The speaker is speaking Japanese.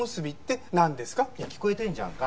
いや聞こえてんじゃんか。